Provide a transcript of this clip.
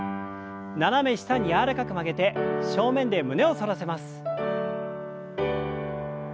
斜め下に柔らかく曲げて正面で胸を反らせます。